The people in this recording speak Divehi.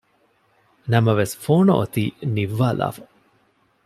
ނަމަވެސް ފޯނު އޮތީ ނިއްވާލާފަ